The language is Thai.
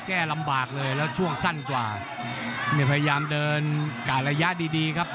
แก้ลำบากเลยแล้วช่วงสั้นกว่าเนี่ยพยายามเดินการระยะดีดีครับ